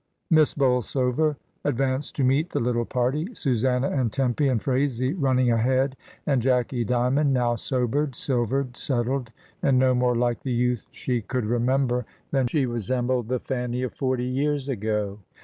Miss Bolsover advanced to meet the little party — Susanna and Tempy, and Fhraisie, running ahead, and Jacky Dymond, now sobered, silvered, settled, and no more like the youth she could remember than she resembled the Fanny of forty years ago.